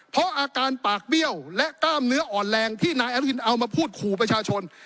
เพราะอาการปากเบี้ยวและกล้ามเนื้ออ่อนแรงที่นายอนุทินเอามาพูดขู่ประชาชน